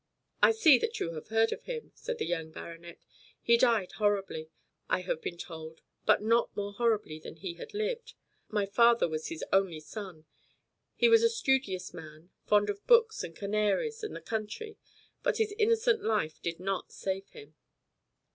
"I see that you have heard of him," said the young baronet. "He died horribly, I have been told; but not more horribly than he had lived. My father was his only son. He was a studious man, fond of books and canaries and the country; but his innocent life did not save him."